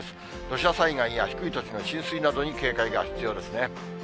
土砂災害や低い土地の浸水などに警戒が必要ですね。